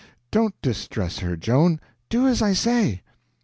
Don't distress her, Joan; do as I say."